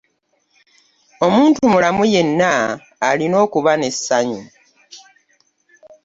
Omuntu omulamu yenna alina okuba n'essanyu.